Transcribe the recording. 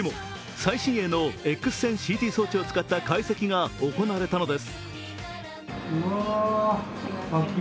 最新鋭のＸ線ＣＴ装置を使った解析が行われたのです。